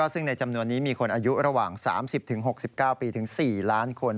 ซึ่งในจำนวนนี้มีคนอายุระหว่าง๓๐๖๙ปีถึง๔ล้านคน